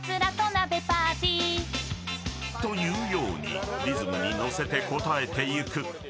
というようにリズムに乗せて答えていく。